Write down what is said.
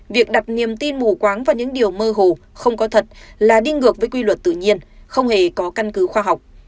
việc đặt niềm tin mù quáng vào những điều mơ hồ không có thật là đi ngược với quy luật tự nhiên không hề có căn cứ khoa học